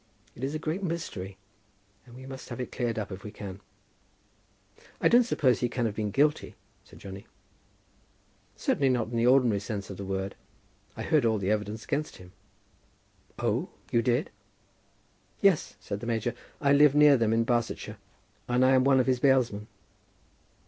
It is a great mystery, and we must have it cleared up if we can." "I don't suppose he can have been guilty," said Johnny. "Certainly not in the ordinary sense of the word. I heard all the evidence against him." "Oh, you did?" "Yes," said the major. "I live near them in Barsetshire, and I am one of his bailsmen."